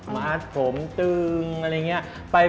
มัดผมตึงอะไรอย่างนี้